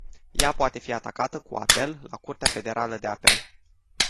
Ea poate fi atacată cu apel la curtea federală de apel.